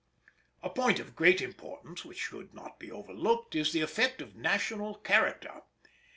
A point of great importance, which should not be overlooked, is the effect of national character.